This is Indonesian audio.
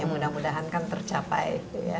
mudah mudahan kan tercapai